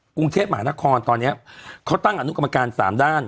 กรุงเทพมหานครตอนนี้เขาตั้งอนุกรรมการ๓ด้าน